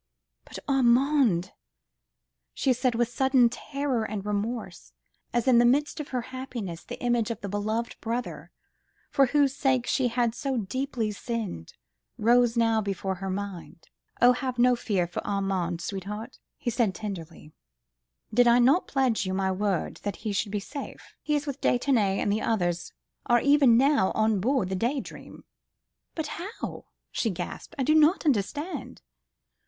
"But Armand ..." she said, with sudden terror and remorse, as in the midst of her happiness the image of the beloved brother, for whose sake she had so deeply sinned, rose now before her mind. "Oh! have no fear for Armand, sweetheart," he said tenderly, "did I not pledge you my word that he should be safe? He with de Tournay and the others are even now on board the Day Dream." "But how?" she gasped, "I do not understand."